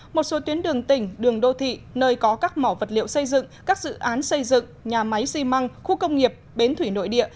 một số tuyến đường tỉnh đường đô thị nơi có các mỏ vật liệu xây dựng các dự án xây dựng nhà máy xi măng khu công nghiệp bến thủy nội địa